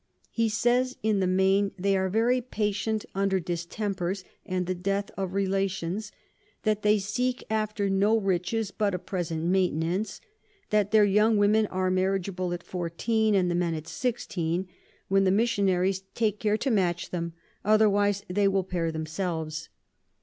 He says, in the main they are very patient under Distempers, and the Death of Relations; that they seek after no Riches but a present Maintenance; that their young Women are marriageable at 14, and the Men at 16, when the Missionaries take care to match them, otherwise they will pair themselves.